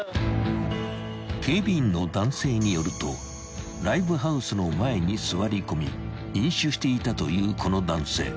［警備員の男性によるとライブハウスの前に座り込み飲酒していたというこの男性］